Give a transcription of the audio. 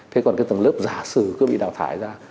thế còn cái tầng lớp giả sử cứ bị đào thải ra